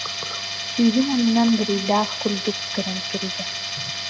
сүүһүн аннынан буруйдаах курдук көрөн турда